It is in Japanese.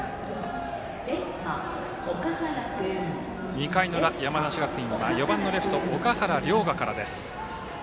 ２回の裏、山梨学院は４番のレフト、岳原陵河からです。